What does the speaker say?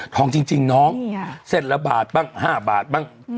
จริงน้องเส้นละบาทบ้าง๕บาทบ้าง